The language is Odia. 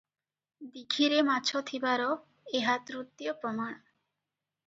ଦୀଘିରେ ମାଛ ଥିବାର ଏହା ତୃତୀୟ ପ୍ରମାଣ ।